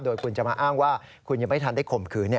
โดยคุณจะมาอ้างว่าคุณยังไม่ทันได้ข่มขืน